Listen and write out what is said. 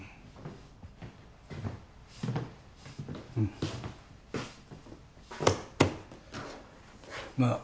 うんまあ